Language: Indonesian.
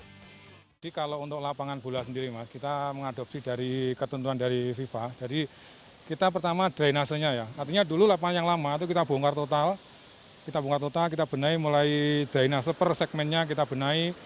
jadi kalau untuk lapangan bola sendiri mas kita mengadopsi dari ketentuan dari fifa jadi kita pertama drainasenya ya artinya dulu lapangan yang lama itu kita bongkar total kita bongkar total kita benai mulai drainase per segmennya kita benai